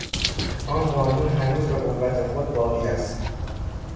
آن قانون هنوز به قوت خود باقی است.